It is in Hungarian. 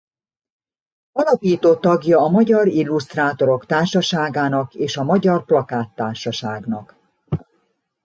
Alapító tagja a Magyar Illusztrátorok Társaságának és a Magyar Plakát Társaságnak.